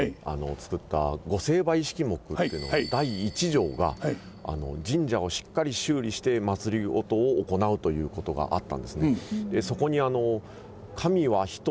作った御成敗式目っていうのの第一条が神社をしっかり修理してまつりごとを行うということがあったんですね。